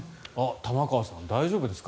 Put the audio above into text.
玉川さん大丈夫ですか？